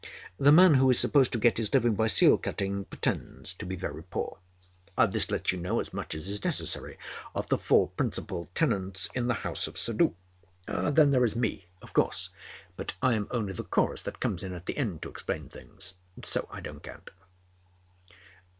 The man who is supposed to get his living by seal cutting pretends to be very poor. This lets you know as much as is necessary of the four principal tenants in the house of Suddhoo. Then there is Me, of course; but I am only the chorus that comes in at the end to explain things. So I do not count.